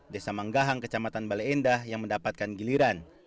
desa manggahang kecamatan baleendah yang mendapatkan giliran